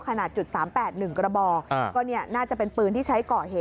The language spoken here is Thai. ขนาดจุด๓๘๑กระบอกก็น่าจะเป็นปืนที่ใช้ก่อเหตุ